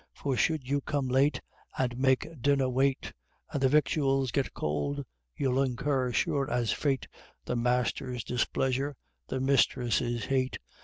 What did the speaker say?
For should you come late, And make dinner wait, And the victuals get cold, you'll incur, sure as fate, The Master's displeasure, the Mistress's hate.